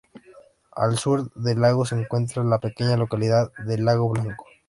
Al sur del lago se encuentra la pequeña localidad de Lago Blanco.